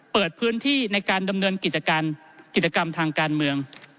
เปิดพื้นที่ในการดำเนินกิจการกิจกรรมทางการเมือง